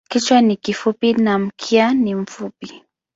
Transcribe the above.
Kichwa ni kifupi na mkia ni mfupi.